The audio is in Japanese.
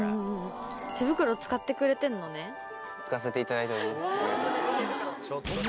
使わせていただいておりますね。